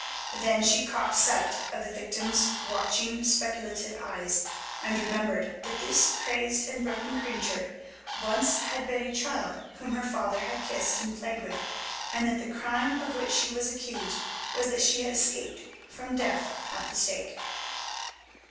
Then she caught sight of the victim's watching, speculative eyes, and remembered that this crazed and broken creature once had been a child whom her father had kissed and played with, and that the crime of which she was accused was that she had escaped from death at the stake.